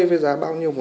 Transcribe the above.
với giá bao nhiêu